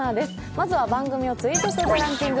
まずは番組をツイート数でランキング。